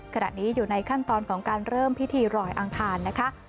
ขณะนี้อยู่ในขั้นตอนของการเริ่มพิธีรอยอังคารนะคะ